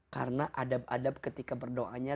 karena adab adab ketika berdoanya